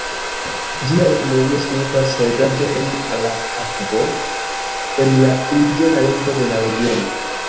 Gia etimologio signifas "heredaĵo en la akvo", en la indiĝena lingvo de la regiono.